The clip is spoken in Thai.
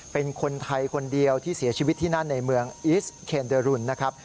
เป็นคนไทยคนเดียวที่เสียชีวิตที่นั่นในเมืองอิสเคนเดอรุณนะครับ